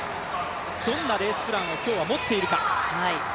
どんなレースプランを今日は持っているか。